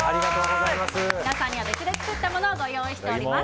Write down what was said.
皆様には別で作ったものをご用意しております。